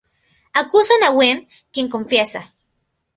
Acusa a Gwen, quien confiesa.